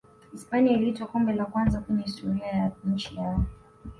hispania ilitwaa kombe la kwanza kwenye historia ya nchi yao